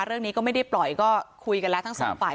เรื่องนี้ก็ไม่ได้ปล่อยก็คุยกันแล้วทั้งสองฝ่าย